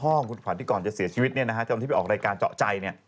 ของคุณขวัญที่ก่อนจะเสียชีวิตจนที่ไปออกรายการเจาะใจ